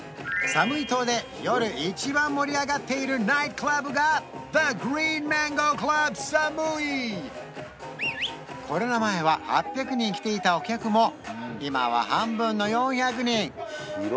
サムイ島で夜一番盛り上がっているナイトクラブがコロナ前は８００人来ていたお客も今は半分の４００人